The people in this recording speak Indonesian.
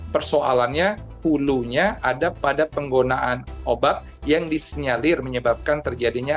persoalannya hulunya ada pada penggunaan obat yang disinyalir menyebabkan terjadinya